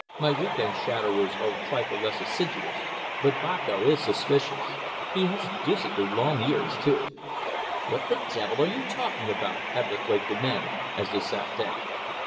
My week end shadowers are a trifle less assiduous, but Boko is suspicious. He has deucedly long ears, too." "What the devil are you talking about?" Hebblethwaite demanded, as they sat down.